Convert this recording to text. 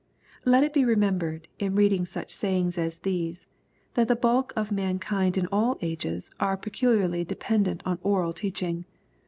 ] Let it be remembered, in reading sucn sayings as. these, that the bulk of mankind in all ages are peculiarly dependent on oral teaching.